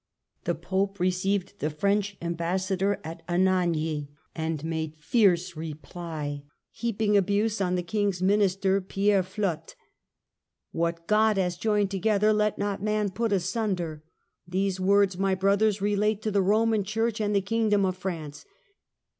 The Pope received the French ambassador at Anagni, and made fierce reply, French heaping abuse on the King's Minister, Pierre Plotte : ^^^ffp^^pg 58 THE END OF THE MIDDLE AGE "' What God has joined together let not man put asunder,' these words, my brothers, relate to the Roman Church and the Kingdom of France.